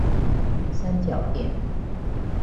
三角点。